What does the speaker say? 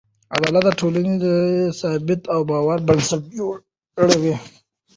عدالت د ټولنې د ثبات او باور بنسټ جوړوي.